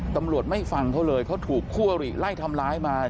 ตำรวจไม่ฟังเขาเลยเขาถูกคู่อริไล่ทำร้ายมา